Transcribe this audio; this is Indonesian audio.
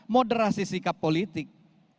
moderasi sikap politik